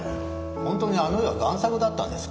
本当にあの絵は贋作だったんですか？